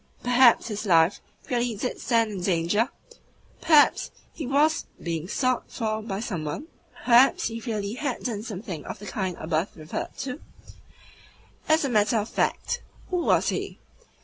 Perhaps his life really DID stand in danger? Perhaps he really WAS being sought for by some one? Perhaps he really HAD done something of the kind above referred to? As a matter of fact, who was he?